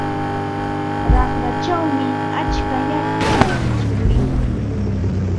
Raqrachawmi atska yaku yurimun.